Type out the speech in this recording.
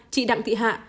chị đặng thị hạ